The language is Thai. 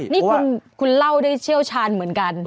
นี่คุณเล่าได้เชี่ยวชาญเหมือนกัน